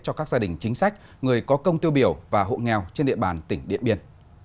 cho các gia đình chính sách người có công tiêu biểu và hộ nghèo trên địa bàn tỉnh điện biên